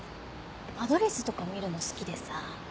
間取り図とか見るの好きでさ。